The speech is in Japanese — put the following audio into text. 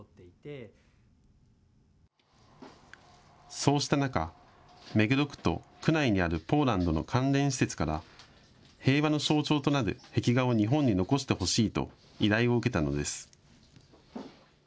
そうした中、目黒区と区内にあるポーランドの関連施設から平和の象徴となる壁画を日本に残してほしいと依頼を受けたのです。